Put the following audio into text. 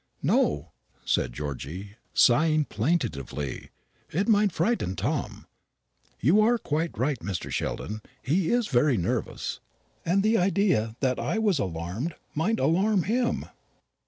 "No," said Georgy, sighing plaintively, "it might frighten Tom. You are quite right, Mr. Sheldon; he is very nervous, and the idea that I was alarmed might alarm him.